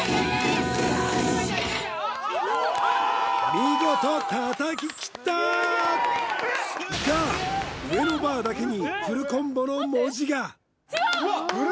見事叩ききった！が上のバーだけにフルコンボの文字が違う！